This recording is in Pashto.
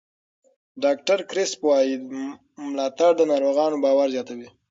ډاکټر کریسپ وایي ملاتړ د ناروغانو باور زیاتوي.